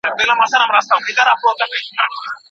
B ګروپ مقاوم دی.